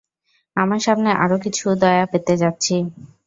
আমরা সামনে আরও কিছু দয়া পেতে যাচ্ছি?